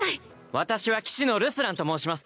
私は騎士のルスランと申します。